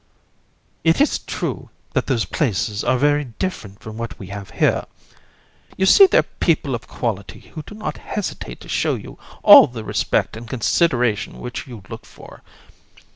It is true that those places are very different from what we have here. You see there people of quality who do not hesitate to show you all the respect and consideration which you look for.